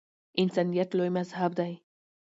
انسانیت لوی مذهب دی